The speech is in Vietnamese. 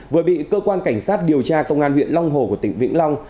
vừa bị cơ quan cảnh sát điều tra công an huyện long hồ của tỉnh vĩnh long